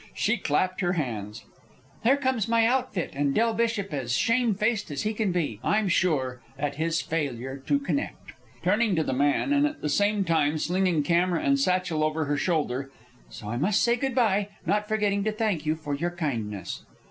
She clapped her hands. "There comes my outfit, and Del Bishop as shame faced as can be, I'm sure, at his failure to connect." Turning to the man, and at the same time slinging camera and satchel over her shoulder, "So I must say good by, not forgetting to thank you for your kindness."